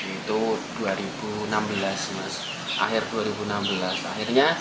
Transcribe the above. itu dua ribu enam belas mas akhir dua ribu enam belas akhirnya